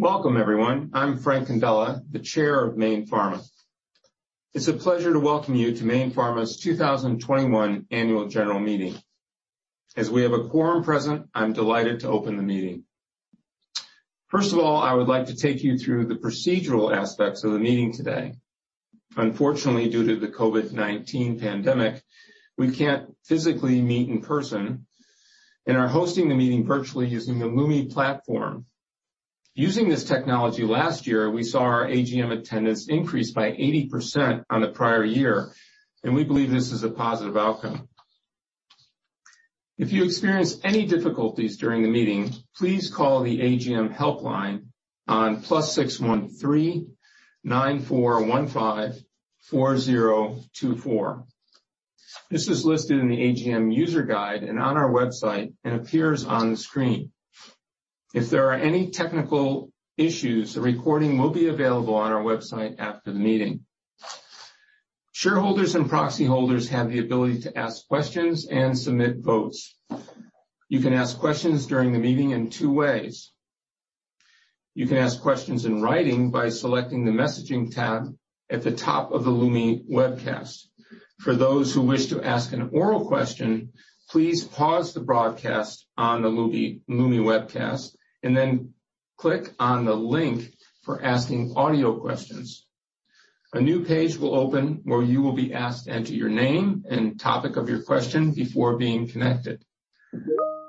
Welcome, everyone. I'm Frank Condella, the Chair of Mayne Pharma. It's a pleasure to welcome you to Mayne Pharma's 2021 Annual General Meeting. As we have a quorum present, I'm delighted to open the meeting. First of all, I would like to take you through the procedural aspects of the meeting today. Unfortunately, due to the COVID-19 pandemic, we can't physically meet in person and are hosting the meeting virtually using the Lumi platform. Using this technology last year, we saw our AGM attendance increase by 80% on the prior year, and we believe this is a positive outcome. If you experience any difficulties during the meeting, please call the AGM helpline on +61 3 9415 4024. This is listed in the AGM user guide and on our website and appears on the screen. If there are any technical issues, a recording will be available on our website after the meeting. Shareholders and proxy holders have the ability to ask questions and submit votes. You can ask questions during the meeting in two ways. You can ask questions in writing by selecting the messaging tab at the top of the Lumi webcast. For those who wish to ask an oral question, please pause the broadcast on the Lumi webcast and then click on the link for asking audio questions. A new page will open where you will be asked to enter your name and topic of your question before being connected.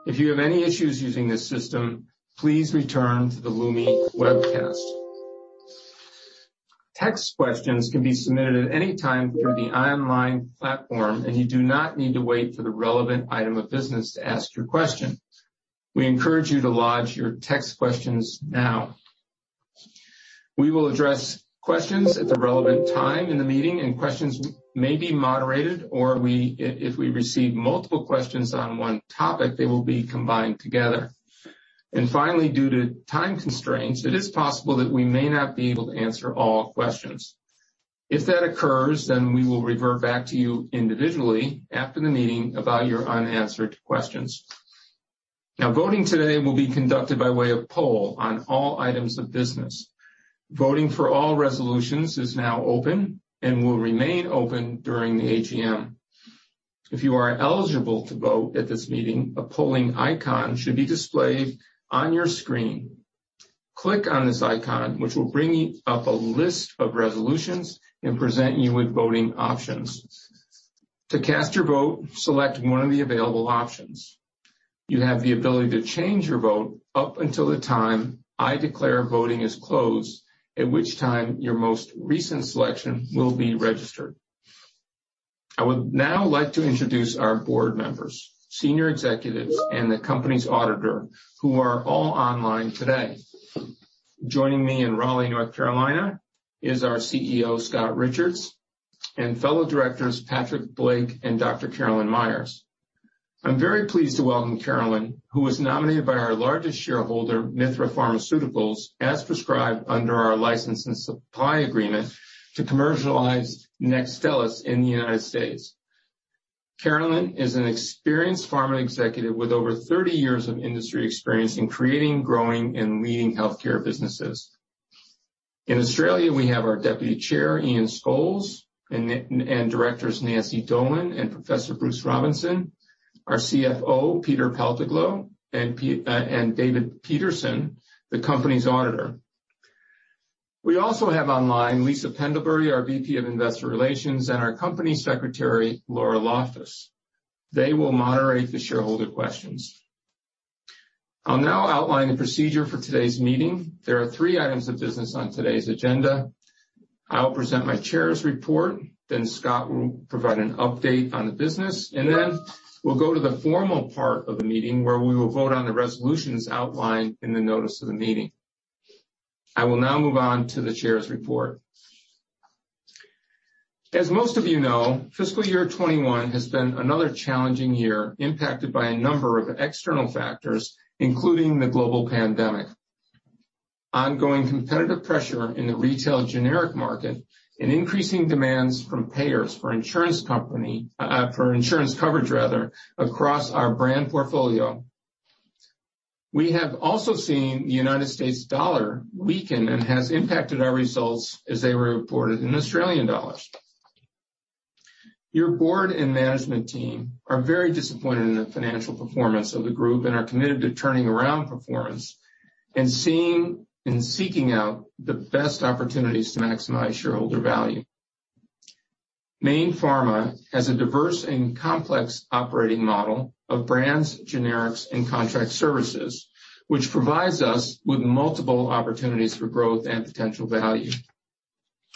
If you have any issues using this system, please return to the Lumi webcast. Text questions can be submitted at any time through the online platform, and you do not need to wait for the relevant item of business to ask your question. We encourage you to lodge your text questions now. We will address questions at the relevant time in the meeting, and questions may be moderated if we receive multiple questions on one topic, they will be combined together. Finally, due to time constraints, it is possible that we may not be able to answer all questions. If that occurs, then we will revert back to you individually after the meeting about your unanswered questions. Now, voting today will be conducted by way of poll on all items of business. Voting for all resolutions is now open and will remain open during the AGM. If you are eligible to vote at this meeting, a polling icon should be displayed on your screen. Click on this icon, which will bring up a list of resolutions and present you with voting options. To cast your vote, select one of the available options. You have the ability to change your vote up until the time I declare voting is closed, at which time your most recent selection will be registered. I would now like to introduce our board members, senior executives, and the company's auditor, who are all online today. Joining me in Raleigh, North Carolina is our CEO, Scott Richards, and fellow directors, Patrick Blake and Dr. Carolyn Myers. I'm very pleased to welcome Carolyn, who was nominated by our largest shareholder, Mithra Pharmaceuticals, as prescribed under our license and supply agreement to commercialize NEXTSTELLIS in the United States. Carolyn is an experienced pharma executive with over 30 years of industry experience in creating, growing, and leading healthcare businesses. In Australia, we have our Deputy Chair, Ian Scholes, and non-executive directors Nancy Dolan and Professor Bruce Robinson, our CFO, Peter Paltoglou, and David Petrie, the company's auditor. We also have online Lisa Pendlebury, our VP of Investor Relations, and our Company Secretary, Laura Loftus. They will moderate the shareholder questions. I'll now outline the procedure for today's meeting. There are three items of business on today's agenda. I'll present my chair's report, then Scott will provide an update on the business, and then we'll go to the formal part of the meeting where we will vote on the resolutions outlined in the notice of the meeting. I will now move on to the chair's report. As most of you know, fiscal year 2021 has been another challenging year, impacted by a number of external factors, including the global pandemic, ongoing competitive pressure in the retail generic market, and increasing demands from payers for insurance coverage rather across our brand portfolio. We have also seen the United States dollar weaken and has impacted our results as they were reported in Australian dollars. Your board and management team are very disappointed in the financial performance of the group and are committed to turning around performance and seeing and seeking out the best opportunities to maximize shareholder value. Mayne Pharma has a diverse and complex operating model of brands, generics, and contract services, which provides us with multiple opportunities for growth and potential value.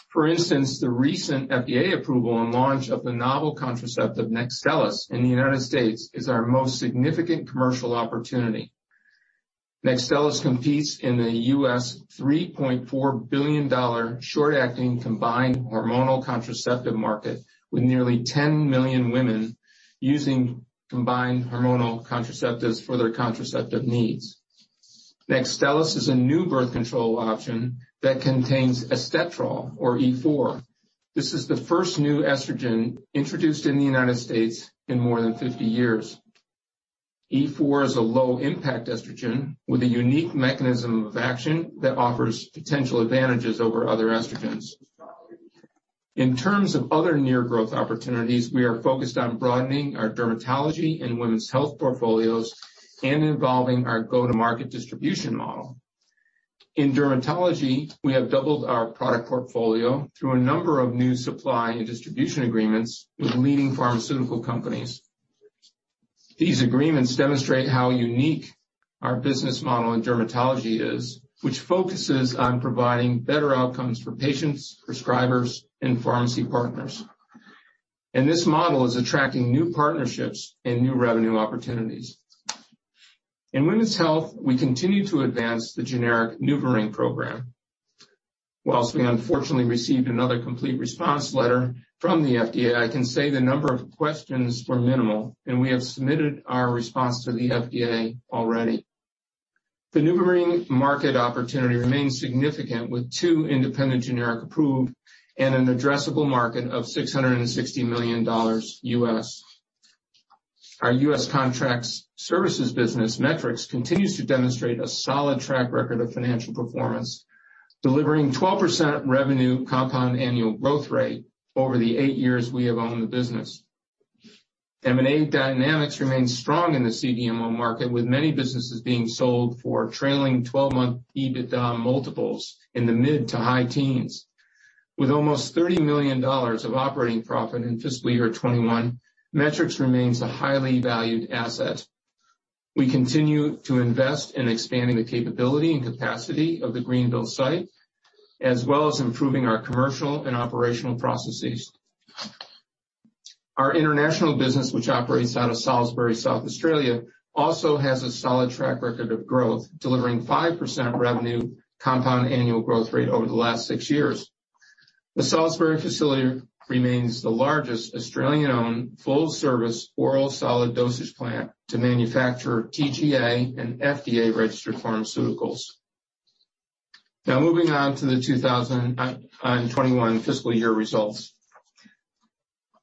For instance, the recent FDA approval and launch of the novel contraceptive NEXTSTELLIS in the United States is our most significant commercial opportunity. NEXTSTELLIS competes in the U.S. $3.4 billion short-acting combined hormonal contraceptive market, with nearly 10 million women using combined hormonal contraceptives for their contraceptive needs. NEXTSTELLIS is a new birth control option that contains estetrol or E4. This is the first new estrogen introduced in the United States in more than 50 years. E4 is a low impact estrogen with a unique mechanism of action that offers potential advantages over other estrogens. In terms of other near growth opportunities, we are focused on broadening our dermatology and women's health portfolios and evolving our go-to-market distribution model. In dermatology, we have doubled our product portfolio through a number of new supply and distribution agreements with leading pharmaceutical companies. These agreements demonstrate how unique our business model in dermatology is, which focuses on providing better outcomes for patients, prescribers, and pharmacy partners. This model is attracting new partnerships and new revenue opportunities. In women's health, we continue to advance the generic NuvaRing program. While we unfortunately received another complete response letter from the FDA, I can say the number of questions were minimal, and we have submitted our response to the FDA already. The NuvaRing market opportunity remains significant, with two independent generic approved and an addressable market of $660 million. Our U.S. contract services business, Metrics, continues to demonstrate a solid track record of financial performance, delivering 12% revenue compound annual growth rate over the 8 years we have owned the business. M&A dynamics remain strong in the CDMO market, with many businesses being sold for trailing twelve-month EBITDA multiples in the mid- to high teens. With almost 30 million dollars of operating profit in fiscal year 2021, Metrics remains a highly valued asset. We continue to invest in expanding the capability and capacity of the Greenville site, as well as improving our commercial and operational processes. Our international business, which operates out of Salisbury, South Australia, also has a solid track record of growth, delivering 5% revenue compound annual growth rate over the last 6 years. The Salisbury facility remains the largest Australian-owned full service oral solid dosage plant to manufacture TGA and FDA registered pharmaceuticals. Now moving on to the 2021 fiscal year results.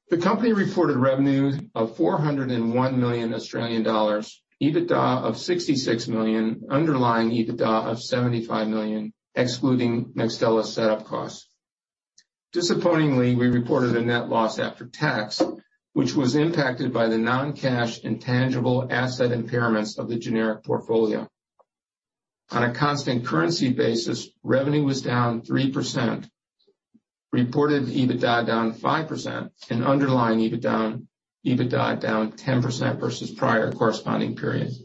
The company reported revenue of 401 million Australian dollars, EBITDA of 66 million, underlying EBITDA of 75 million, excluding NEXTSTELLIS setup costs. Disappointingly, we reported a net loss after tax, which was impacted by the non-cash intangible asset impairments of the generic portfolio. On a constant currency basis, revenue was down 3%, reported EBITDA down 5%, and underlying EBITDA down 10% versus prior corresponding periods.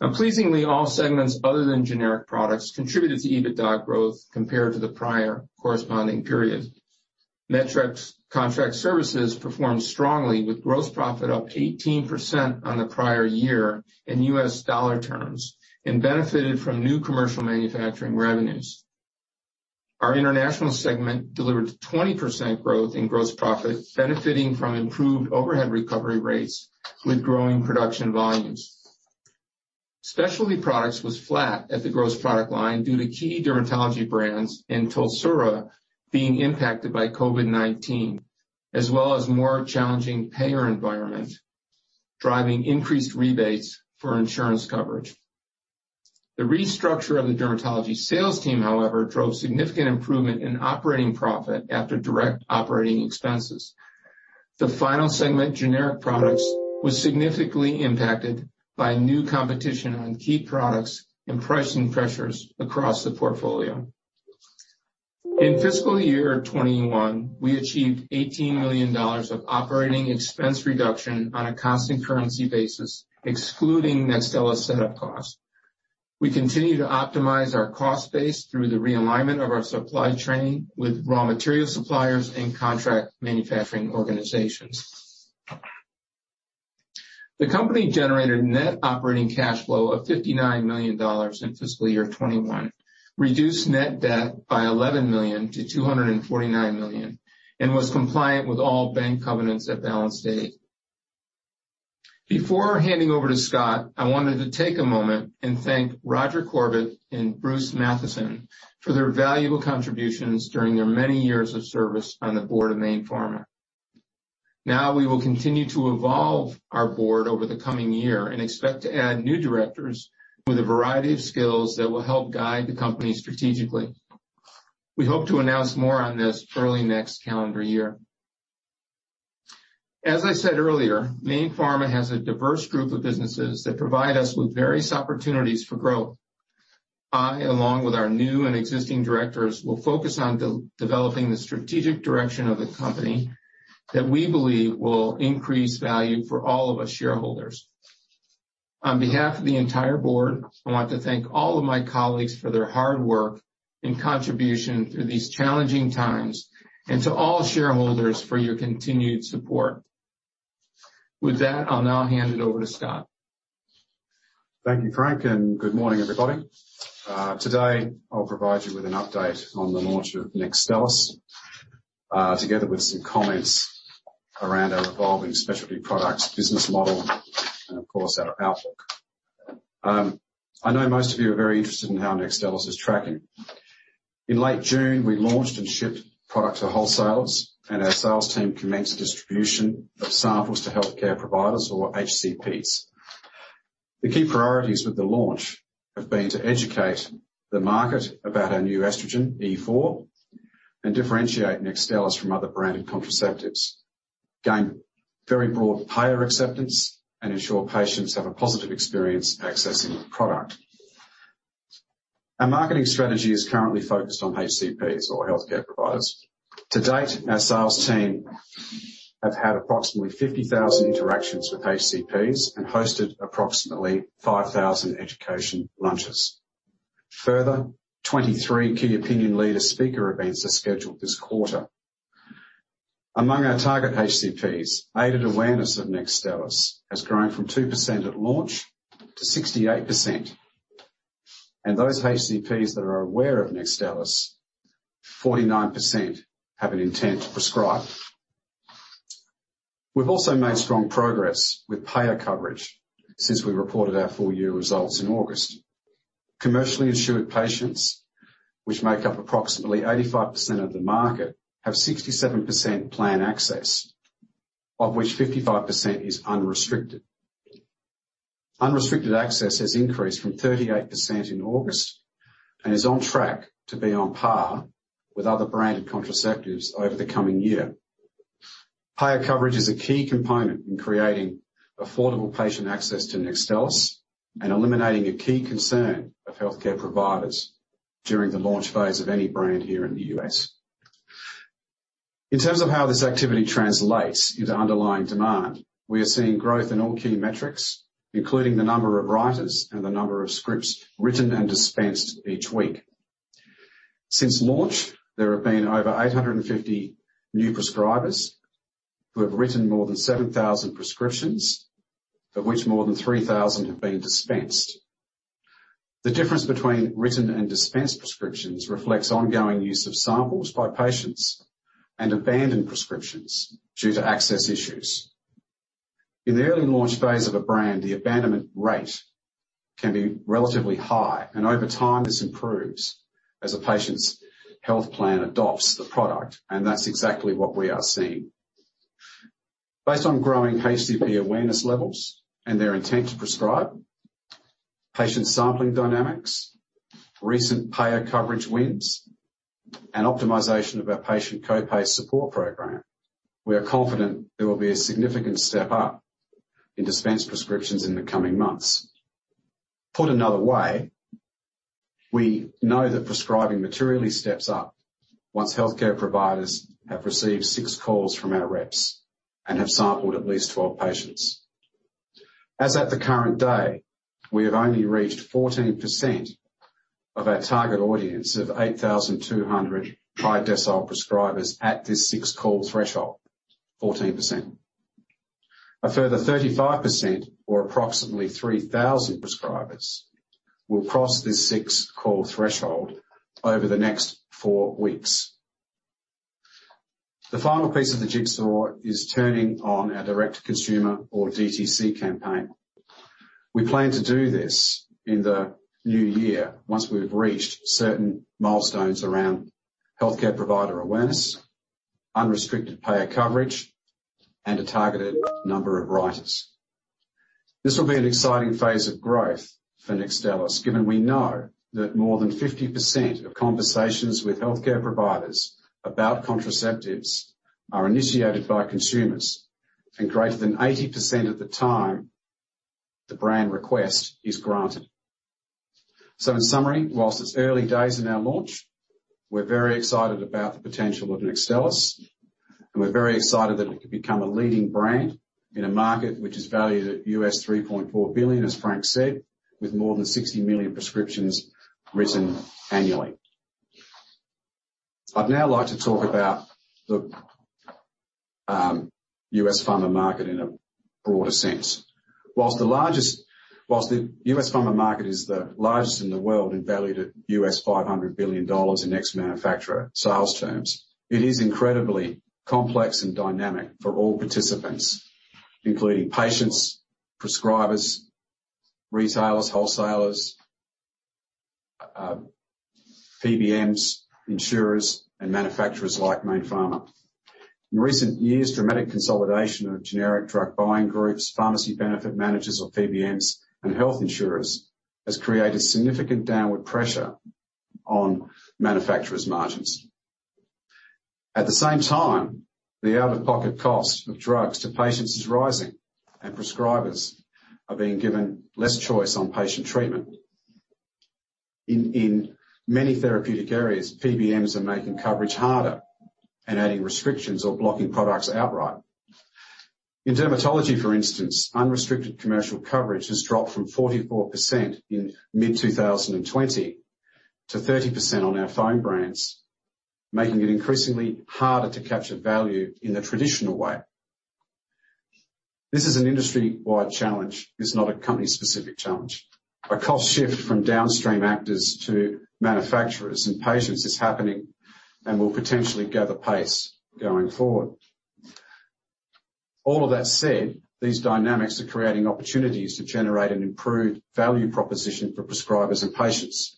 Now, pleasingly, all segments other than generic products contributed to EBITDA growth compared to the prior corresponding period. Metrics Contract Services performed strongly, with gross profit up 18% on the prior year in U.S. dollar terms and benefited from new commercial manufacturing revenues. Our international segment delivered 20% growth in gross profit, benefiting from improved overhead recovery rates with growing production volumes. Specialty Products was flat at the gross product line due to key dermatology brands and TOLSURA being impacted by COVID-19, as well as more challenging payer environment, driving increased rebates for insurance coverage. The restructure of the dermatology sales team, however, drove significant improvement in operating profit after direct operating expenses. The final segment, Generic Products, was significantly impacted by new competition on key products and pricing pressures across the portfolio. In fiscal year 2021, we achieved 18 million dollars of operating expense reduction on a constant currency basis, excluding NEXTSTELLIS setup costs. We continue to optimize our cost base through the realignment of our supply chain with raw material suppliers and contract manufacturing organizations. The company generated net operating cash flow of 59 million dollars in FY 2021, reduced net debt by 11 million to 249 million, and was compliant with all bank covenants at balance date. Before handing over to Scott, I wanted to take a moment and thank Roger Corbett and Bruce Mathieson for their valuable contributions during their many years of service on the board of Mayne Pharma. Now, we will continue to evolve our board over the coming year and expect to add new directors with a variety of skills that will help guide the company strategically. We hope to announce more on this early next calendar year. As I said earlier, Mayne Pharma has a diverse group of businesses that provide us with various opportunities for growth. I, along with our new and existing directors, will focus on redeveloping the strategic direction of the company that we believe will increase value for all of us shareholders. On behalf of the entire board, I want to thank all of my colleagues for their hard work and contribution through these challenging times and to all shareholders for your continued support. With that, I'll now hand it over to Scott. Thank you, Frank, and good morning, everybody. Today I'll provide you with an update on the launch of NEXTSTELLIS, together with some comments around our evolving specialty products business model and of course our outlook. I know most of you are very interested in how NEXTSTELLIS is tracking. In late June, we launched and shipped product to wholesalers, and our sales team commenced distribution of samples to healthcare providers or HCPs. The key priorities with the launch have been to educate the market about our new estrogen, E4, and differentiate NEXTSTELLIS from other branded contraceptives, gain very broad payer acceptance, and ensure patients have a positive experience accessing the product. Our marketing strategy is currently focused on HCPs or healthcare providers. To date, our sales team have had approximately 50,000 interactions with HCPs and hosted approximately 5,000 education lunches. Further, 23 key opinion leader speaker events are scheduled this quarter. Among our target HCPs, aided awareness of NEXTSTELLIS has grown from 2% at launch to 68%. Those HCPs that are aware of NEXTSTELLIS, 49% have an intent to prescribe. We've also made strong progress with payer coverage since we reported our full year results in August. Commercially insured patients, which make up approximately 85% of the market, have 67% plan access, of which 55% is unrestricted. Unrestricted access has increased from 38% in August and is on track to be on par with other branded contraceptives over the coming year. Higher coverage is a key component in creating affordable patient access to NEXTSTELLIS and eliminating a key concern of healthcare providers during the launch phase of any brand here in the U.S. In terms of how this activity translates into underlying demand, we are seeing growth in all key metrics, including the number of writers and the number of scripts written and dispensed each week. Since launch, there have been over 850 new prescribers who have written more than 7,000 prescriptions, of which more than 3,000 have been dispensed. The difference between written and dispensed prescriptions reflects ongoing use of samples by patients and abandoned prescriptions due to access issues. In the early launch phase of a brand, the abandonment rate can be relatively high, and over time, this improves as a patient's health plan adopts the product. That's exactly what we are seeing. Based on growing HCP awareness levels and their intent to prescribe, patient sampling dynamics, recent payer coverage wins, and optimization of our patient co-pay support program, we are confident there will be a significant step-up in dispensed prescriptions in the coming months. Put another way, we know that prescribing materially steps up once healthcare providers have received 6 calls from our reps and have sampled at least 12 patients. As at the current day, we have only reached 14% of our target audience of 8,200 tri-decile prescribers at this 6-call threshold. 14%. A further 35% or approximately 3,000 prescribers will cross this 6-call threshold over the next four weeks. The final piece of the jigsaw is turning on our direct-to-consumer or DTC campaign. We plan to do this in the new year once we've reached certain milestones around healthcare provider awareness, unrestricted payer coverage, and a targeted number of writers. This will be an exciting phase of growth for NEXTSTELLIS, given we know that more than 50% of conversations with healthcare providers about contraceptives are initiated by consumers, and greater than 80% of the time, the brand request is granted. In summary, while it's early days in our launch, we're very excited about the potential of NEXTSTELLIS, and we're very excited that it could become a leading brand in a market which is valued at $3.4 billion, as Frank said, with more than 60 million prescriptions written annually. I'd now like to talk about the U.S. pharma market in a broader sense. While the U.S. pharma market is the largest in the world and valued at $500 billion in ex-manufacturer sales terms, it is incredibly complex and dynamic for all participants, including patients, prescribers, retailers, wholesalers, PBMs, insurers, and manufacturers like Mayne Pharma. In recent years, dramatic consolidation of generic drug buying groups, pharmacy benefit managers or PBMs, and health insurers has created significant downward pressure on manufacturers' margins. At the same time, the out-of-pocket cost of drugs to patients is rising, and prescribers are being given less choice on patient treatment. In many therapeutic areas, PBMs are making coverage harder and adding restrictions or blocking products outright. In dermatology, for instance, unrestricted commercial coverage has dropped from 44% in mid-2020 to 30% on our five brands, making it increasingly harder to capture value in the traditional way. This is an industry-wide challenge. It's not a company-specific challenge. A cost shift from downstream actors to manufacturers and patients is happening and will potentially gather pace going forward. All of that said, these dynamics are creating opportunities to generate an improved value proposition for prescribers and patients.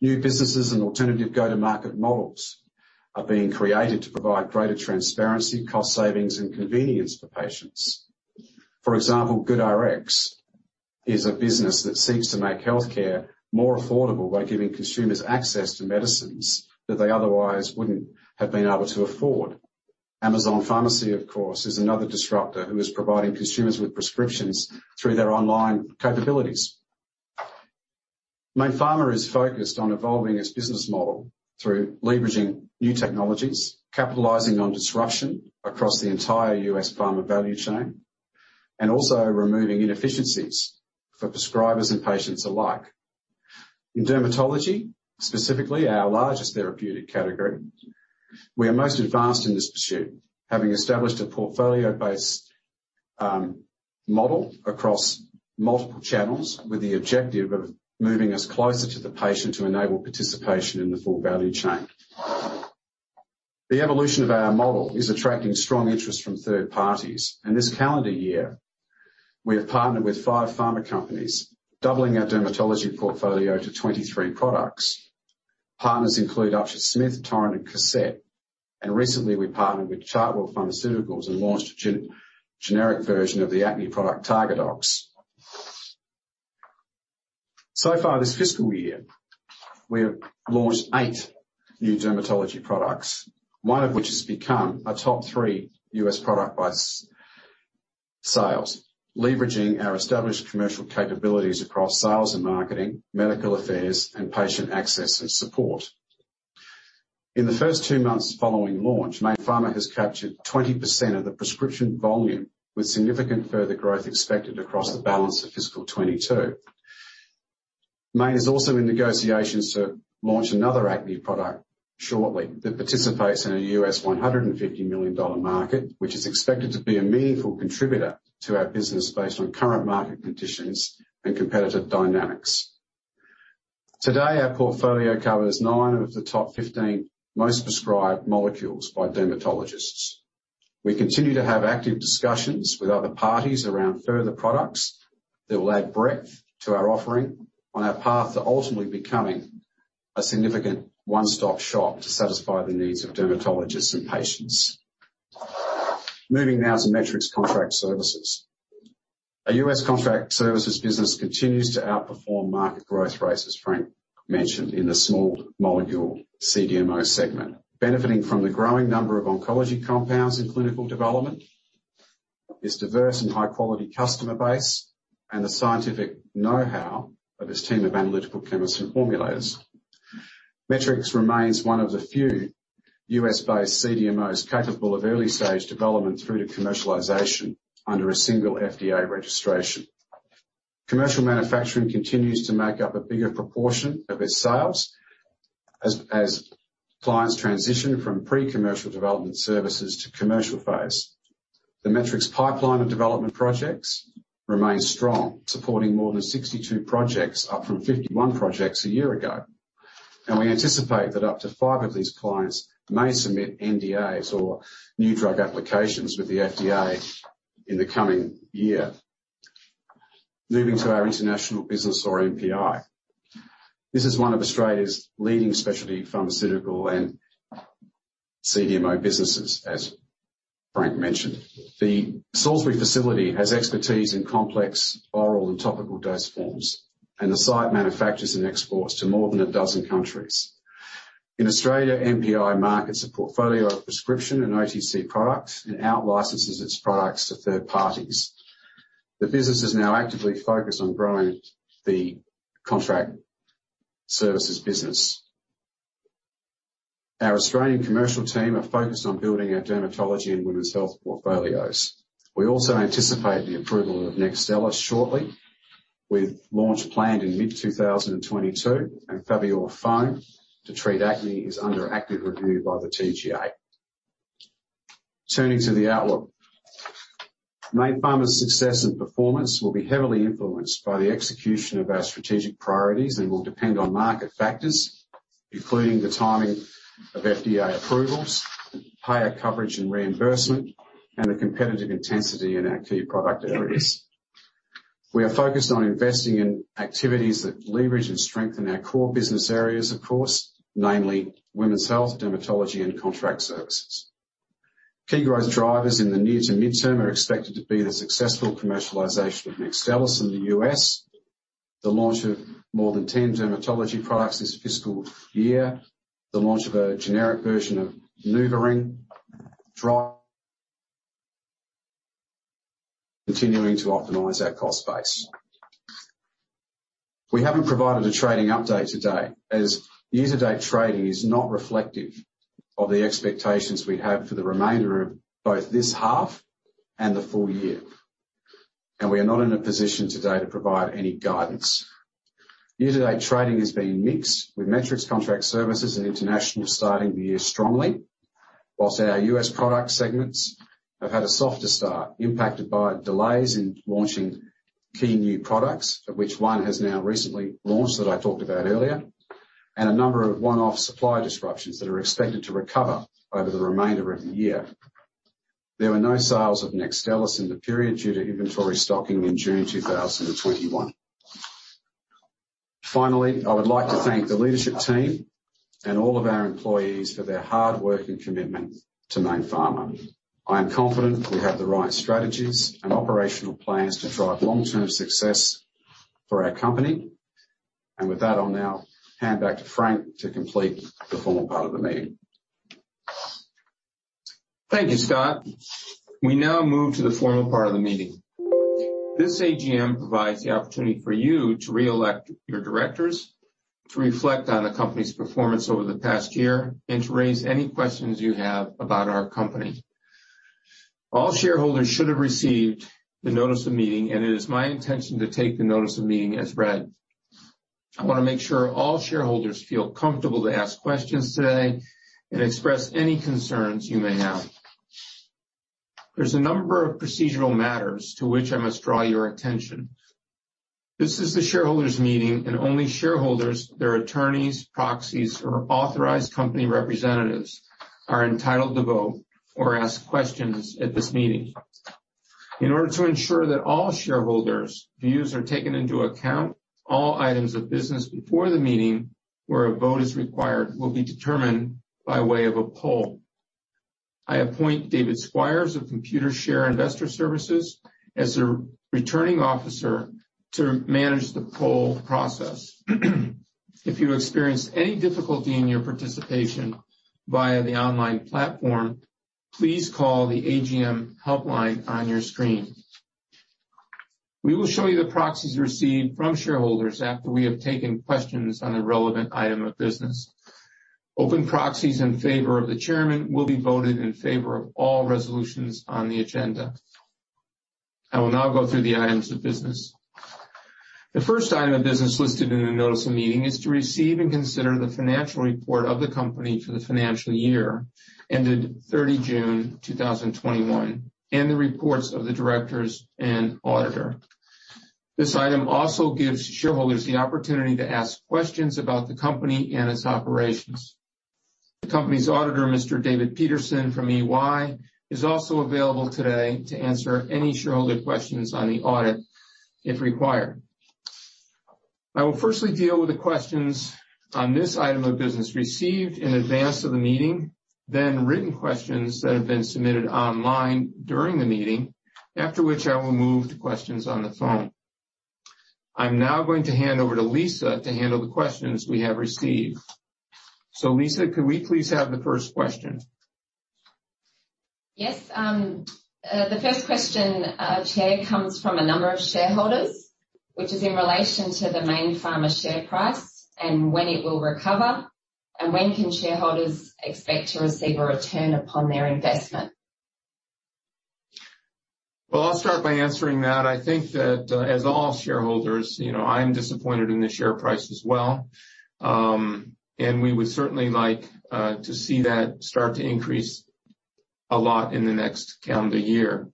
New businesses and alternative go-to-market models are being created to provide greater transparency, cost savings, and convenience for patients. For example, GoodRx is a business that seeks to make healthcare more affordable by giving consumers access to medicines that they otherwise wouldn't have been able to afford. Amazon Pharmacy, of course, is another disruptor who is providing consumers with prescriptions through their online capabilities. Mayne Pharma is focused on evolving its business model through leveraging new technologies, capitalizing on disruption across the entire U.S. pharma value chain, and also removing inefficiencies for prescribers and patients alike. In dermatology, specifically our largest therapeutic category, we are most advanced in this pursuit, having established a portfolio-based model across multiple channels with the objective of moving us closer to the patient to enable participation in the full value chain. The evolution of our model is attracting strong interest from third parties. In this calendar year, we have partnered with five pharma companies, doubling our dermatology portfolio to 23 products. Partners include Upsher-Smith, Torrent, and Cosette, and recently we partnered with Chartwell Pharmaceuticals and launched a generic version of the acne product TARGADOX. So far this fiscal year, we have launched eight new dermatology products, one of which has become a top three U.S. product by sales, leveraging our established commercial capabilities across sales and marketing, medical affairs, and patient access and support. In the first two months following launch, Mayne Pharma has captured 20% of the prescription volume, with significant further growth expected across the balance of fiscal 2022. Mayne is also in negotiations to launch another acne product shortly that participates in a U.S. $150 million market, which is expected to be a meaningful contributor to our business based on current market conditions and competitive dynamics. Today, our portfolio covers nine of the top 15 most prescribed molecules by dermatologists. We continue to have active discussions with other parties around further products that will add breadth to our offering on our path to ultimately becoming a significant one-stop shop to satisfy the needs of dermatologists and patients. Moving now to Metrics Contract Services. Our U.S. contract services business continues to outperform market growth rates, as Frank mentioned, in the small molecule CDMO segment, benefiting from the growing number of oncology compounds in clinical development, its diverse and high-quality customer base, and the scientific know-how of its team of analytical chemists and formulators. Metrics remains one of the few U.S.-based CDMOs capable of early-stage development through to commercialization under a single FDA registration. Commercial manufacturing continues to make up a bigger proportion of its sales as clients transition from pre-commercial development services to commercial phase. The Metrics pipeline of development projects remains strong, supporting more than 62 projects, up from 51 projects a year ago. We anticipate that up to five of these clients may submit NDAs or new drug applications with the FDA in the coming year. Moving to our international business, or NPI. This is one of Australia's leading specialty pharmaceutical and CDMO businesses, as Frank mentioned. The Salisbury facility has expertise in complex oral and topical dose forms, and the site manufactures and exports to more than a dozen countries. In Australia, NPI markets a portfolio of prescription and OTC products and out-licenses its products to third parties. The business is now actively focused on growing the contract services business. Our Australian commercial team are focused on building our dermatology and women's health portfolios. We also anticipate the approval of NEXTSTELLIS shortly, with launch planned in mid-2022, and Fabior Foam to treat acne is under active review by the TGA. Turning to the outlook. Mayne Pharma's success and performance will be heavily influenced by the execution of our strategic priorities and will depend on market factors, including the timing of FDA approvals, payer coverage and reimbursement, and the competitive intensity in our key product areas. We are focused on investing in activities that leverage and strengthen our core business areas, of course, namely women's health, dermatology, and contract services. Key growth drivers in the near to midterm are expected to be the successful commercialization of NEXTSTELLIS in the U.S., the launch of more than 10 dermatology products this fiscal year, the launch of a generic version of NuvaRing, continuing to optimize our cost base. We haven't provided a trading update today as year-to-date trading is not reflective of the expectations we have for the remainder of both this half and the full year, and we are not in a position today to provide any guidance. Year-to-date trading has been mixed, with Metrics Contract Services and International starting the year strongly, while our U.S. product segments have had a softer start, impacted by delays in launching key new products, of which one has now recently launched, that I talked about earlier. A number of one-off supply disruptions that are expected to recover over the remainder of the year. There were no sales of NEXTSTELLIS in the period due to inventory stocking in June 2021. Finally, I would like to thank the leadership team and all of our employees for their hard work and commitment to Mayne Pharma. I am confident we have the right strategies and operational plans to drive long-term success for our company. With that, I'll now hand back to Frank to complete the formal part of the meeting. Thank you, Scott. We now move to the formal part of the meeting. This AGM provides the opportunity for you to re-elect your directors, to reflect on the company's performance over the past year, and to raise any questions you have about our company. All shareholders should have received the notice of meeting, and it is my intention to take the notice of meeting as read. I wanna make sure all shareholders feel comfortable to ask questions today and express any concerns you may have. There's a number of procedural matters to which I must draw your attention. This is the shareholders' meeting, and only shareholders, their attorneys, proxies, or authorized company representatives are entitled to vote or ask questions at this meeting. In order to ensure that all shareholders' views are taken into account, all items of business before the meeting where a vote is required will be determined by way of a poll. I appoint David Squires of Computershare Investor Services as the Returning Officer to manage the poll process. If you experience any difficulty in your participation via the online platform, please call the AGM helpline on your screen. We will show you the proxies received from shareholders after we have taken questions on the relevant item of business. Open proxies in favor of the chairman will be voted in favor of all resolutions on the agenda. I will now go through the items of business. The first item of business listed in the notice of meeting is to receive and consider the financial report of the company for the financial year ended 30th June 2021, and the reports of the directors and auditor. This item also gives shareholders the opportunity to ask questions about the company and its operations. The company's auditor, Mr. David Petrie from EY, is also available today to answer any shareholder questions on the audit if required. I will firstly deal with the questions on this item of business received in advance of the meeting, then written questions that have been submitted online during the meeting, after which I will move to questions on the phone. I'm now going to hand over to Lisa to handle the questions we have received. Lisa, could we please have the first question? Yes, the first question, Chair, comes from a number of shareholders, which is in relation to the Mayne Pharma share price and when it will recover, and when can shareholders expect to receive a return upon their investment? Well, I'll start by answering that. I think that, as all shareholders, you know, I'm disappointed in the share price as well. We would certainly like to see that start to increase a lot in the next calendar year.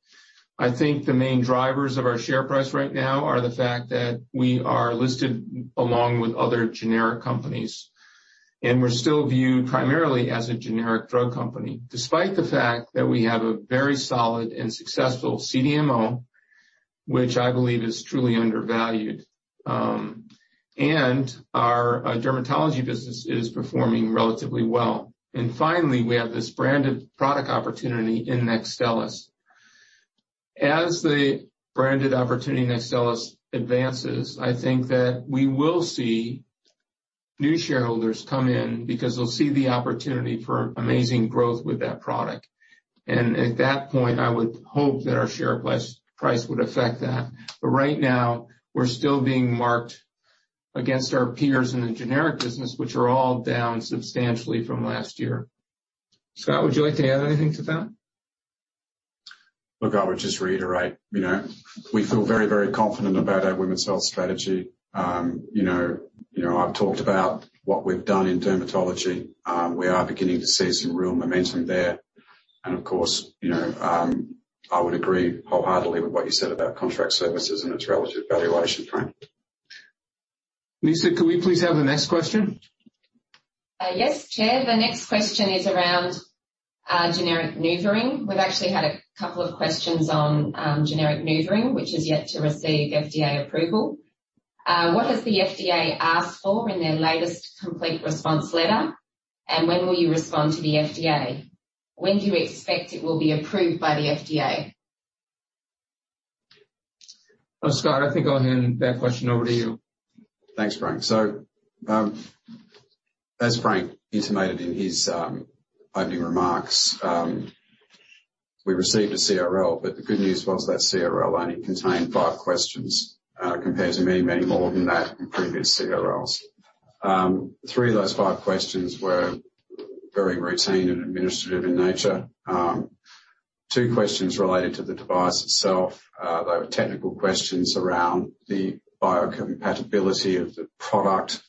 I think the main drivers of our share price right now are the fact that we are listed along with other generic companies, and we're still viewed primarily as a generic drug company, despite the fact that we have a very solid and successful CDMO, which I believe is truly undervalued. Our dermatology business is performing relatively well. Finally, we have this branded product opportunity in NEXTSTELLIS. As the branded opportunity in NEXTSTELLIS advances, I think that we will see new shareholders come in because they'll see the opportunity for amazing growth with that product. At that point, I would hope that our share price would affect that. Right now, we're still being marked against our peers in the generic business, which are all down substantially from last year. Scott, would you like to add anything to that? Look, I would just reiterate, you know, we feel very, very confident about our women's health strategy. You know, I've talked about what we've done in dermatology. We are beginning to see some real momentum there. Of course, you know, I would agree wholeheartedly with what you said about contract services and its relative valuation, Frank. Lisa, could we please have the next question? Yes, Chair. The next question is around generic NuvaRing. We've actually had a couple of questions on generic NuvaRing, which is yet to receive FDA approval. What has the FDA asked for in their latest complete response letter? And when will you respond to the FDA? When do you expect it will be approved by the FDA? Oh, Scott, I think I'll hand that question over to you. Thanks, Frank. As Frank intimated in his opening remarks, we received a CRL, but the good news was that CRL only contained five questions, compared to many, many more than that in previous CRLs. Three of those five questions were very routine and administrative in nature. Two questions related to the device itself. They were technical questions around the biocompatibility of the product.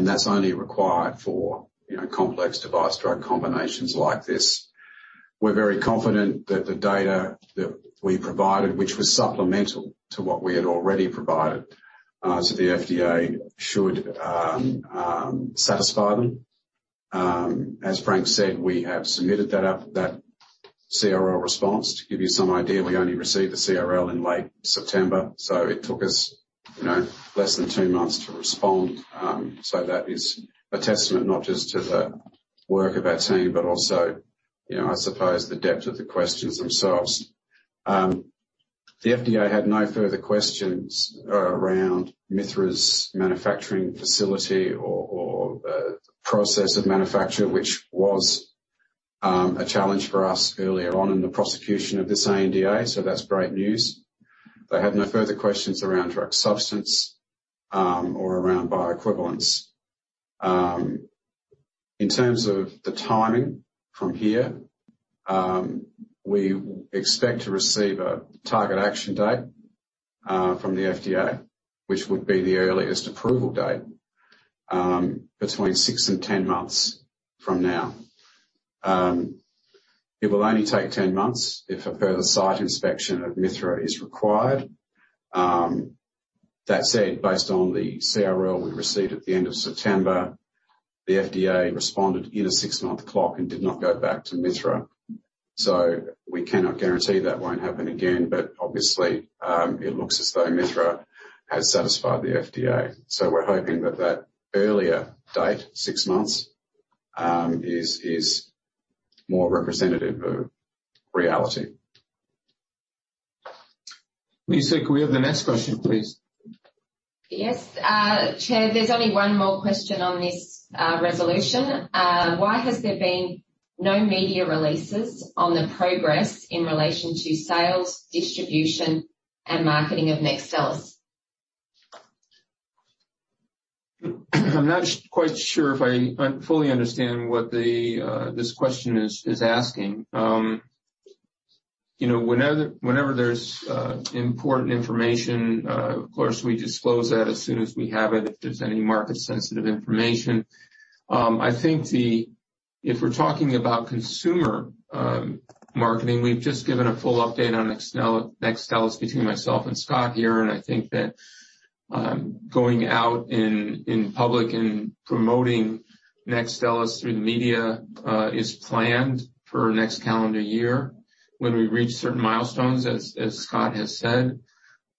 That's only required for, you know, complex device drug combinations like this. We're very confident that the data that we provided, which was supplemental to what we had already provided, to the FDA should satisfy them. As Frank said, we have submitted that CRL response. To give you some idea, we only received the CRL in late September, so it took us, you know, less than two months to respond. So that is a testament not just to the work of our team, but also, you know, I suppose the depth of the questions themselves. The FDA had no further questions around Mithra's manufacturing facility or process of manufacture, which was a challenge for us earlier on in the prosecution of this ANDA, so that's great news. They had no further questions around drug substance or around bioequivalence. In terms of the timing from here, we expect to receive a target action date from the FDA, which would be the earliest approval date, between six and 10 months from now. It will only take 10 months if a further site inspection of Mithra is required. That said, based on the CRL we received at the end of September, the FDA responded in a 6-month clock and did not go back to Mithra. We cannot guarantee that won't happen again, but obviously, it looks as though Mithra has satisfied the FDA. We're hoping that that earlier date, six months, is more representative of reality. Lisa, could we have the next question, please? Yes. Chair, there's only one more question on this resolution. Why has there been no media releases on the progress in relation to sales, distribution, and marketing of NEXTSTELLIS? I'm not quite sure if I fully understand what this question is asking. You know, whenever there's important information, of course, we disclose that as soon as we have it, if there's any market-sensitive information. I think if we're talking about consumer marketing, we've just given a full update on NEXTSTELLIS between myself and Scott here, and I think that going out in public and promoting NEXTSTELLIS through the media is planned for next calendar year when we reach certain milestones, as Scott has said.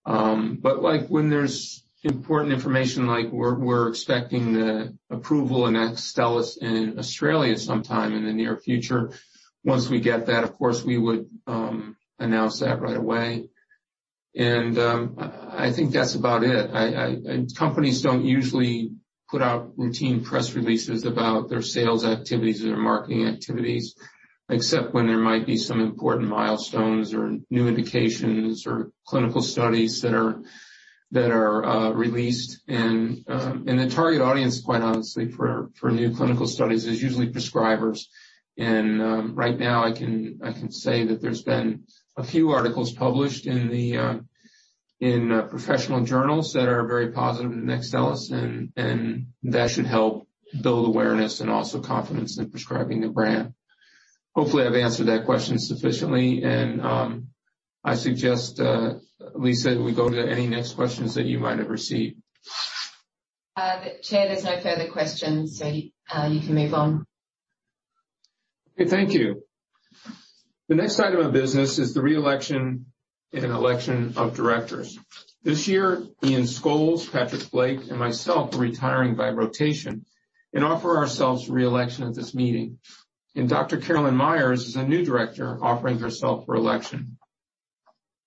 Like, when there's important information, like we're expecting the approval of NEXTSTELLIS in Australia sometime in the near future. Once we get that, of course, we would announce that right away. I think that's about it. Companies don't usually put out routine press releases about their sales activities or their marketing activities, except when there might be some important milestones or new indications or clinical studies that are released. The target audience, quite honestly, for new clinical studies is usually prescribers. Right now I can say that there's been a few articles published in professional journals that are very positive on NEXTSTELLIS and that should help build awareness and also confidence in prescribing the brand. Hopefully, I've answered that question sufficiently. I suggest, Lisa, we go to any next questions that you might have received. Chair, there's no further questions, so you can move on. Okay. Thank you. The next item of business is the re-election and election of directors. This year, Ian Scholes, Patrick Blake, and myself are retiring by rotation and offer ourselves re-election at this meeting. Dr. Carolyn Myers is a new director offering herself for election.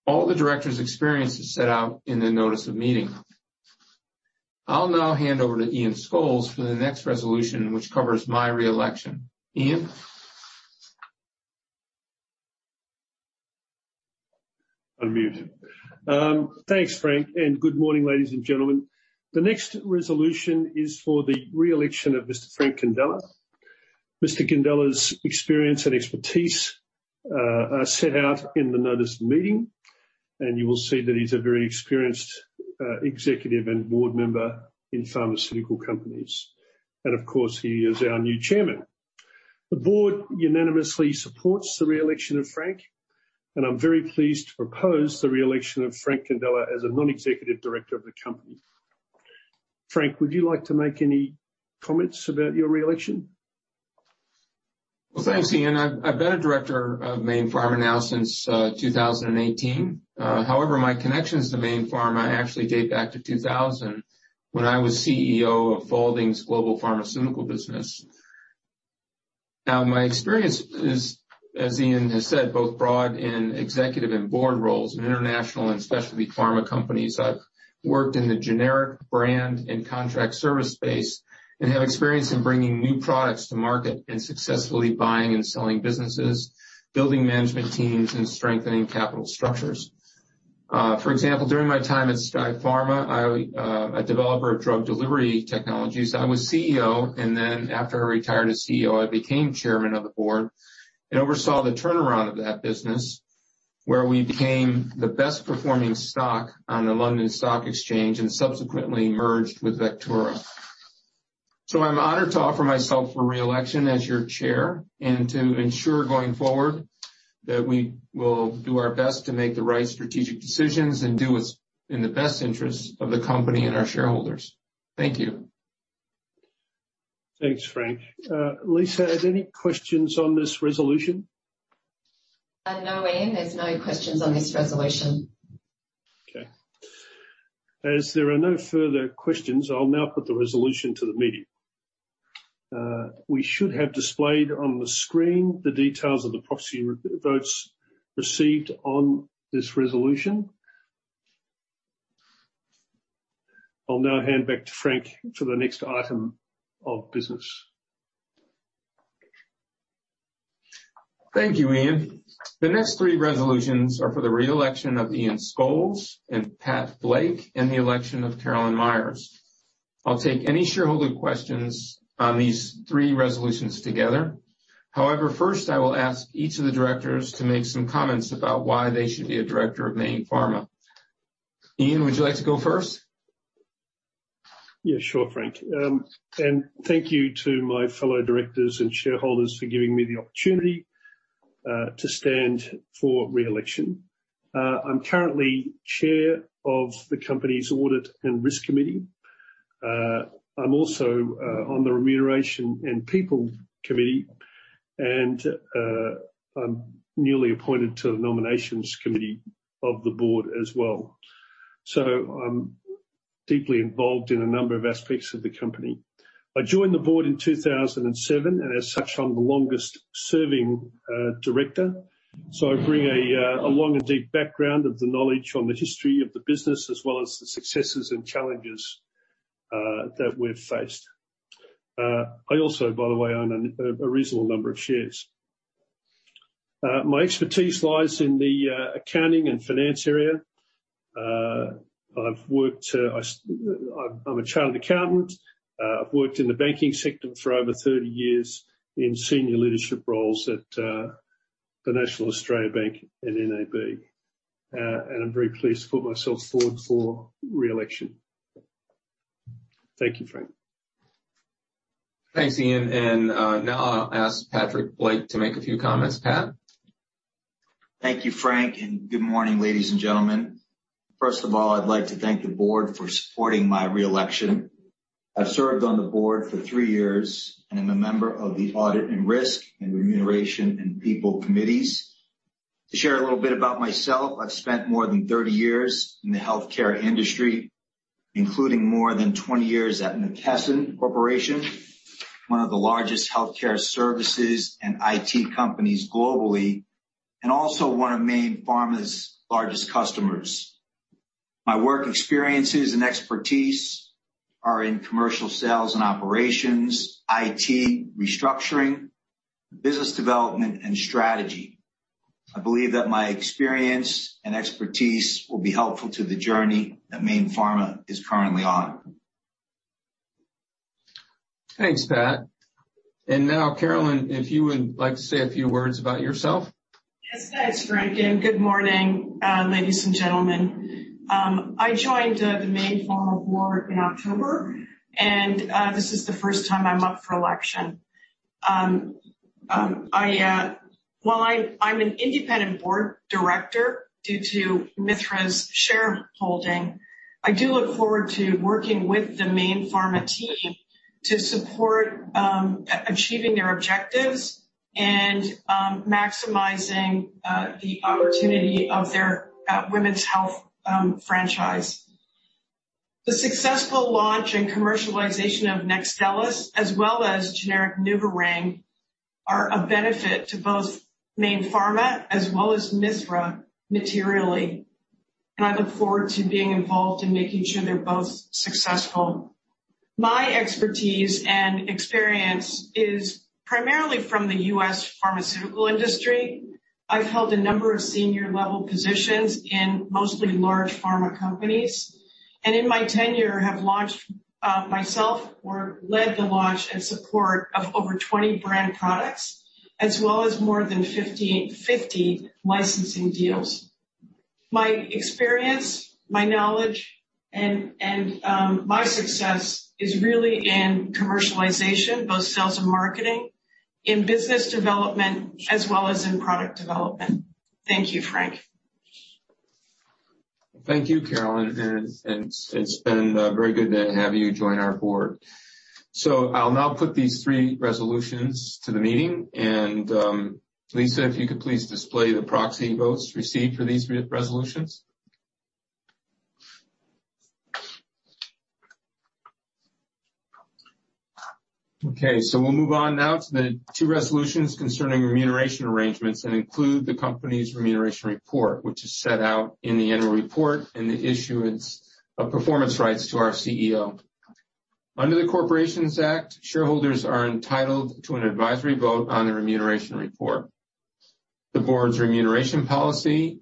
All the directors' experience is set out in the notice of meeting. I'll now hand over to Ian Scholes for the next resolution, which covers my re-election. Ian? Thanks, Frank, and good morning, ladies and gentlemen. The next resolution is for the re-election of Mr. Frank Condella. Mr. Condella's experience and expertise are set out in the notice of the meeting, and you will see that he's a very experienced executive and board member in pharmaceutical companies. Of course, he is our new chairman. The board unanimously supports the re-election of Frank, and I'm very pleased to propose the re-election of Frank Condella as a non-executive director of the company. Frank, would you like to make any comments about your re-election? Well, thanks, Ian. I've been a director of Mayne Pharma now since 2018. However, my connections to Mayne Pharma actually date back to 2000 when I was CEO of Faulding's global pharmaceutical business. Now, my experience is, as Ian has said, both broad in executive and board roles in international and specialty pharma companies. I've worked in the generic brand and contract service space and have experience in bringing new products to market and successfully buying and selling businesses, building management teams, and strengthening capital structures. For example, during my time at Skyepharma, a developer of drug delivery technologies, I was CEO, and then after I retired as CEO, I became chairman of the board and oversaw the turnaround of that business, where we became the best-performing stock on the London Stock Exchange and subsequently merged with Vectura. I'm honored to offer myself for reelection as your Chair and to ensure going forward that we will do our best to make the right strategic decisions and do what's in the best interest of the company and our shareholders. Thank you. Thanks, Frank. Lisa, are there any questions on this resolution? No, Ian, there's no questions on this resolution. Okay. As there are no further questions, I'll now put the resolution to the meeting. We should have displayed on the screen the details of the proxy votes received on this resolution. I'll now hand back to Frank for the next item of business. Thank you, Ian. The next three resolutions are for the reelection of Ian Scholes and Pat Blake, and the election of Carolyn Myers. I'll take any shareholder questions on these three resolutions together. However, first I will ask each of the directors to make some comments about why they should be a director of Mayne Pharma. Ian, would you like to go first? Yeah, sure, Frank. Thank you to my fellow directors and shareholders for giving me the opportunity to stand for reelection. I'm currently chair of the company's Audit and Risk Committee. I'm also on the Remuneration and People Committee, and I'm newly appointed to the Nominations Committee of the board as well. I'm deeply involved in a number of aspects of the company. I joined the board in 2007, and as such, I'm the longest-serving director. I bring a long and deep background of the knowledge on the history of the business, as well as the successes and challenges that we've faced. I also, by the way, own a reasonable number of shares. My expertise lies in the accounting and finance area. I've worked. I'm a chartered accountant. I've worked in the banking sector for over 30 years in senior leadership roles at the National Australia Bank and NAB. I'm very pleased to put myself forward for reelection. Thank you, Frank. Thanks, Ian, and, now I'll ask Patrick Blake to make a few comments. Pat? Thank you, Frank, and good morning, ladies and gentlemen. First of all, I'd like to thank the board for supporting my reelection. I've served on the board for three years and am a member of the Audit and Risk and Remuneration and People Committees. To share a little bit about myself, I've spent more than 30 years in the healthcare industry, including more than 20 years at McKesson Corporation, one of the largest healthcare services and IT companies globally, and also one of Mayne Pharma's largest customers. My work experiences and expertise are in commercial sales and operations, IT restructuring, business development, and strategy. I believe that my experience and expertise will be helpful to the journey that Mayne Pharma is currently on. Thanks, Pat. Now, Carolyn, if you would like to say a few words about yourself. Yes. Thanks, Frank, and good morning, ladies and gentlemen. I joined the Mayne Pharma board in October, and this is the first time I'm up for election. While I'm an independent board director due to Mithra's shareholding, I do look forward to working with the Mayne Pharma team to support achieving their objectives and maximizing the opportunity of their women's health franchise. The successful launch and commercialization of NEXTSTELLIS, as well as generic NuvaRing, are a benefit to both Mayne Pharma as well as Mithra materially, and I look forward to being involved in making sure they're both successful. My expertise and experience is primarily from the U.S. pharmaceutical industry. I've held a number of senior-level positions in mostly large pharma companies, and in my tenure, have launched myself or led the launch and support of over 20 brand products, as well as more than 50 licensing deals. My experience, my knowledge, and my success is really in commercialization, both sales and marketing, in business development, as well as in product development. Thank you, Frank. Thank you, Carolyn, and it's been very good to have you join our board. I'll now put these three resolutions to the meeting. Lisa, if you could please display the proxy votes received for these resolutions. We'll move on now to the two resolutions concerning remuneration arrangements and include the company's remuneration report, which is set out in the annual report and the issuance of performance rights to our CEO. Under the Corporations Act, shareholders are entitled to an advisory vote on the remuneration report. The board's remuneration policy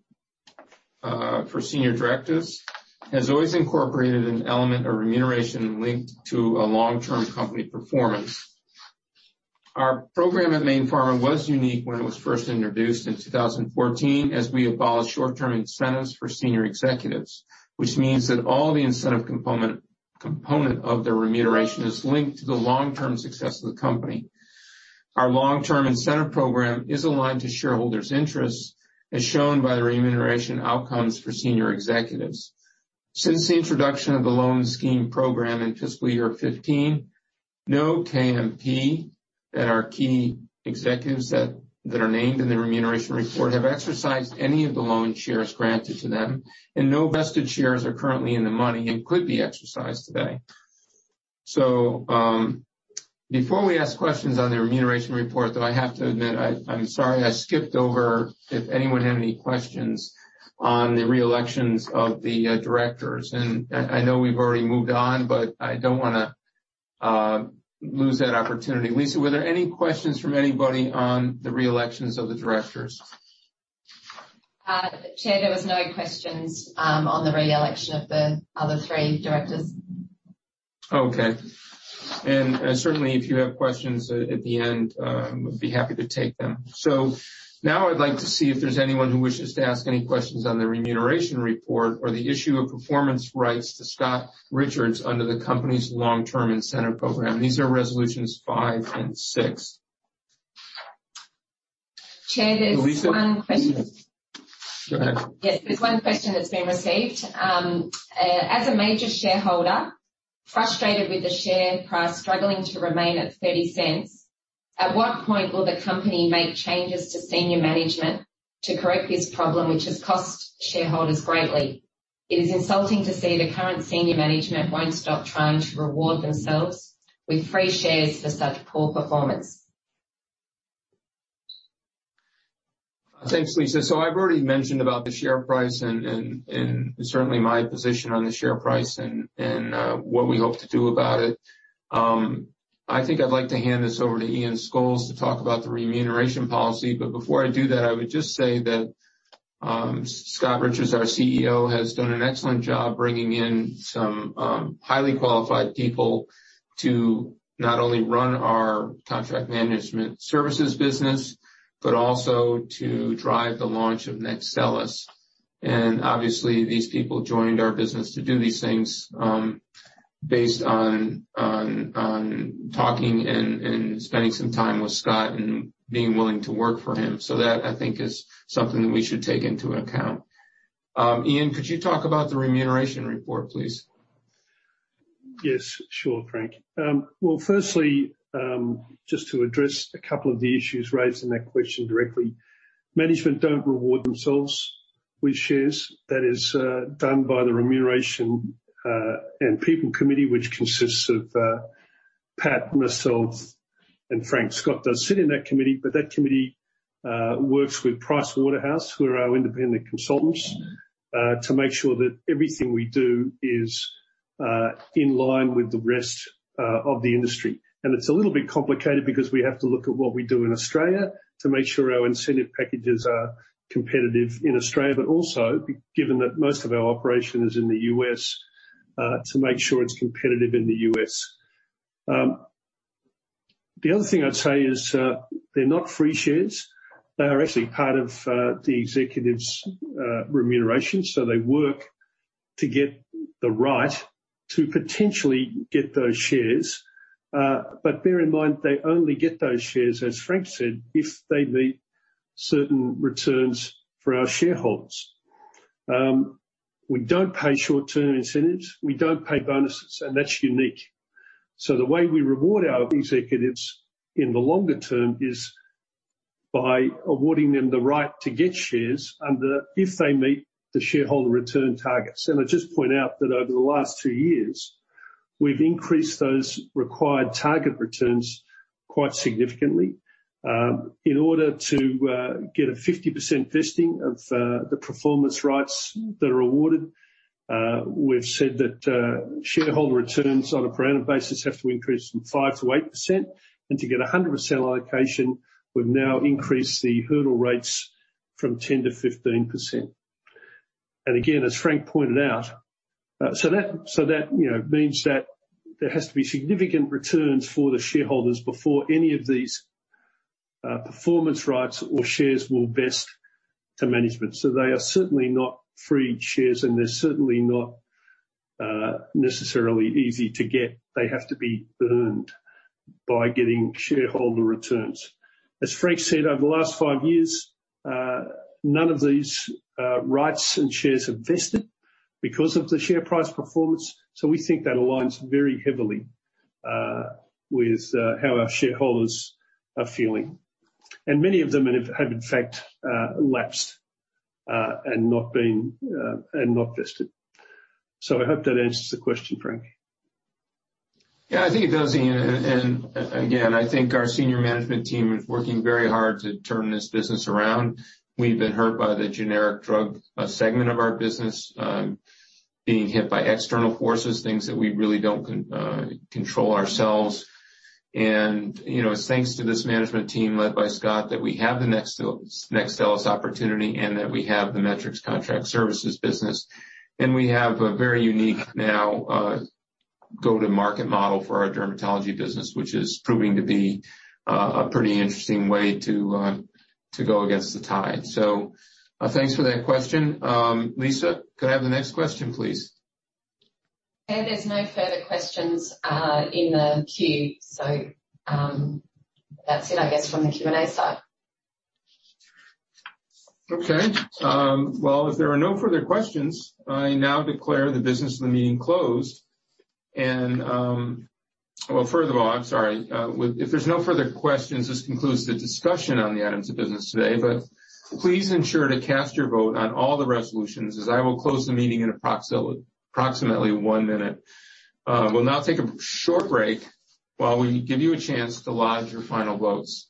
for senior directors has always incorporated an element of remuneration linked to a long-term company performance. Our program at Mayne Pharma was unique when it was first introduced in 2014 as we abolished short-term incentives for senior executives, which means that all the incentive component of their remuneration is linked to the long-term success of the company. Our long-term incentive program is aligned to shareholders interests, as shown by the remuneration outcomes for senior executives. Since the introduction of the LTI scheme program in FY 2015, no KMP that are key executives that are named in the remuneration report have exercised any of the LTI shares granted to them, and no vested shares are currently in the money and could be exercised today. Before we ask questions on the remuneration report, though I have to admit I'm sorry, I skipped over if anyone had any questions on the re-elections of the directors. I know we've already moved on, but I don't wanna lose that opportunity. Lisa, were there any questions from anybody on the re-elections of the directors? Chair, there was no questions on the re-election of the other three directors. Okay. Certainly if you have questions at the end, we'd be happy to take them. Now I'd like to see if there's anyone who wishes to ask any questions on the remuneration report or the issue of performance rights to Scott Richards under the company's long-term incentive program. These are resolutions five and six. Chair, there's one question. Lisa, go ahead. Yes, there's one question that's been received. As a major shareholder frustrated with the share price struggling to remain at 0.30, at what point will the company make changes to senior management to correct this problem, which has cost shareholders greatly? It is insulting to see the current senior management won't stop trying to reward themselves with free shares for such poor performance. Thanks, Lisa. I've already mentioned about the share price and certainly my position on the share price and what we hope to do about it. I think I'd like to hand this over to Ian Scholes to talk about the remuneration policy. Before I do that, I would just say that Scott Richards, our CEO, has done an excellent job bringing in some highly qualified people to not only run our contract management services business but also to drive the launch of NEXTSTELLIS. Obviously, these people joined our business to do these things based on talking and spending some time with Scott and being willing to work for him. That, I think, is something that we should take into account. Ian, could you talk about the remuneration report, please? Yes, sure, Frank. Well, firstly, just to address a couple of the issues raised in that question directly. Management don't reward themselves with shares. That is done by the Remuneration and People Committee, which consists of Pat, myself, and Frank. Scott does sit in that committee, but that committee works with PricewaterhouseCoopers, who are our independent consultants, to make sure that everything we do is in line with the rest of the industry. It's a little bit complicated because we have to look at what we do in Australia to make sure our incentive packages are competitive in Australia, but also given that most of our operation is in the U.S., to make sure it's competitive in the U.S. The other thing I'd say is, they're not free shares. They are actually part of the executives remuneration. They work to get the right to potentially get those shares. Bear in mind, they only get those shares, as Frank said, if they meet certain returns for our shareholders. We don't pay short-term incentives, we don't pay bonuses, and that's unique. The way we reward our executives in the longer term is by awarding them the right to get shares under if they meet the shareholder return targets. I'd just point out that over the last two years, we've increased those required target returns quite significantly. In order to get a 50% vesting of the performance rights that are awarded, we've said that shareholder returns on a pro rata basis have to increase from 5%-8%. To get 100% allocation, we've now increased the hurdle rates from 10%-15%. Again, as Frank pointed out, you know, means that there has to be significant returns for the shareholders before any of these performance rights or shares will vest to management. They are certainly not free shares, and they're certainly not necessarily easy to get. They have to be earned by getting shareholder returns. As Frank said, over the last 5 years, none of these rights and shares have vested because of the share price performance. We think that aligns very heavily with how our shareholders are feeling. Many of them have in fact lapsed and not vested. I hope that answers the question, Frank. Yeah, I think it does, Ian. Again, I think our senior management team is working very hard to turn this business around. We've been hurt by the generic drug segment of our business being hit by external forces, things that we really don't control ourselves. You know, it's thanks to this management team led by Scott that we have the NEXTSTELLIS opportunity and that we have the Metrics Contract Services business. We have a very unique now go-to-market model for our dermatology business, which is proving to be a pretty interesting way to go against the tide. Thanks for that question. Lisa, could I have the next question, please? Okay. There's no further questions in the queue. That's it, I guess, from the Q&A side. Okay. Well, if there are no further questions, I now declare the business of the meeting closed. Well, furthermore, I'm sorry. If there's no further questions, this concludes the discussion on the items of business today. Please ensure to cast your vote on all the resolutions, as I will close the meeting in approximately one minute. We'll now take a short break while we give you a chance to lodge your final votes.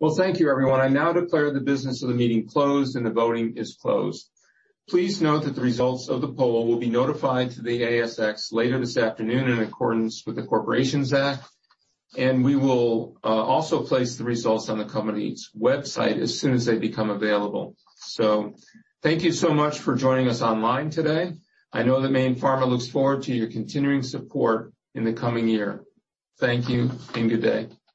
Well, thank you, everyone. I now declare the business of the meeting closed, and the voting is closed. Please note that the results of the poll will be notified to the ASX later this afternoon in accordance with the Corporations Act. We will also place the results on the company's website as soon as they become available. Thank you so much for joining us online today. I know that Mayne Pharma looks forward to your continuing support in the coming year. Thank you, and good day.